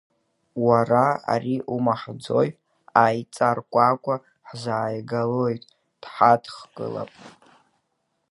Уара, ари умаҳаӡои, аиҵарҟәаҟәа ҳзааигалоит, дҳадаҳкылап!